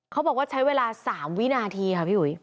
เขาบอกว่าใช้เวลา๓วินาทีค่ะพี่อุ๋ย